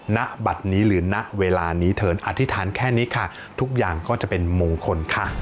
ณบัตรนี้หรือณเวลานี้เถินอธิษฐานแค่นี้ค่ะทุกอย่างก็จะเป็นมงคลค่ะ